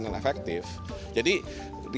dengan khusus atas